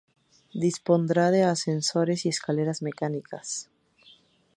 Dispondrá de ascensores y escaleras mecánicas.